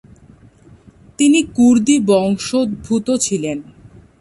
তিনি কুর্দি বংশোদ্ভূত ছিলেন।